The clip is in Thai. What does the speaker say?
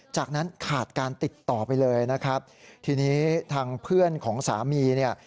จากนั้นขาดการติดต่อไปเลยนะครับทีนี้ทางเพื่อนของสามีเนี่ย